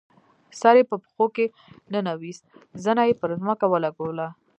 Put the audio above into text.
سر یې په پښو کې ننویست، زنه یې پر ځمکه ولګوله.